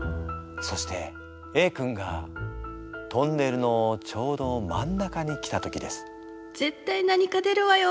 そしてＡ君がトンネルのちょうど真ん中に来た時です。